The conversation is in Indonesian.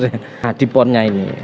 nah di ponnya ini